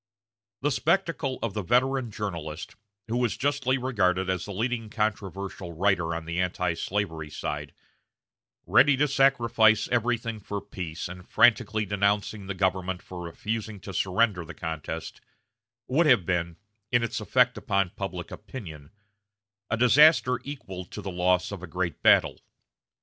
The spectacle of the veteran journalist, who was justly regarded as the leading controversial writer on the antislavery side, ready to sacrifice everything for peace, and frantically denouncing the government for refusing to surrender the contest, would have been, in its effect upon public opinion, a disaster equal to the loss of a great battle.